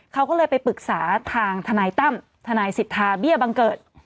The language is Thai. เขาก็เลยไปปรึกษาทางทนายตั้มทนายสิทธาเบี้ยบังเกิด